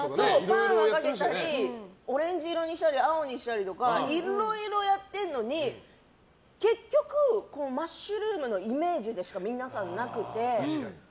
パーマかけたりオレンジ色にしたり青にしたりとかいろいろやってんのに結局、マッシュルームのイメージでしか皆さん、なくて。